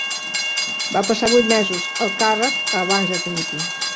Va passar vuit mesos al càrrec abans de dimitir.